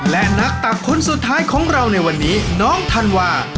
และนักตักคนสุดท้ายของเราในวันนี้น้องธันวา